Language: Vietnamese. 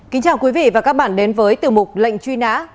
kính chào quý vị và các bạn đến với tiểu mục lệnh truy nã